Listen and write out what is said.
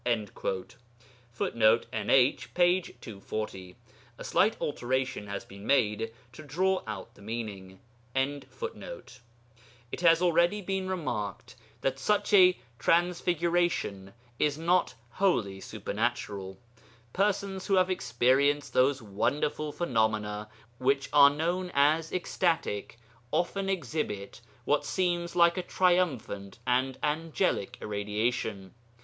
[Footnote: NH, p. 240. A slight alteration has been made to draw out the meaning.] It has already been remarked that such 'transfiguration' is not wholly supernatural. Persons who have experienced those wonderful phenomena which are known as ecstatic, often exhibit what seems like a triumphant and angelic irradiation.